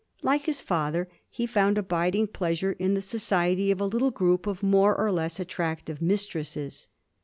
Like his fether, he found abiding pleasure in the society of a little group of more or less attractive mistresses.